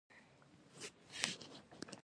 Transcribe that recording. هندوکش د اوږدمهاله پایښت لپاره مهم دی.